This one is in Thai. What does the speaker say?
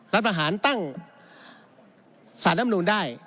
รัฐประหารตั้งซ่านะมนุนได้